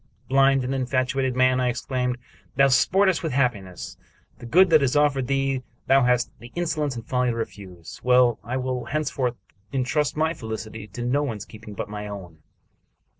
"Blind and infatuated man!" I exclaimed. "Thou sportest with happiness. The good that is offered thee thou hast the insolence and folly to refuse. Well, I will hence forth intrust my felicity to no one's keeping but my own."